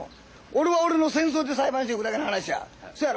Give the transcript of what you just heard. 俺は俺の戦争で裁判してくるだけの話や。